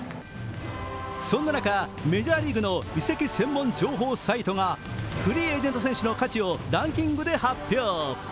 そんな中、メジャーリーグの移籍専門情報サイトがフリーエージェント選手の価値をランキングで発表。